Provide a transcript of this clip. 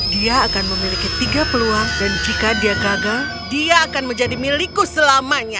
dia akan memiliki tiga peluang dan jika dia gagal dia akan menjadi milikku selamanya